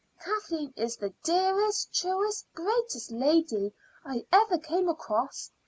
Kathleen is the dearest, truest, greatest lady I ever came across.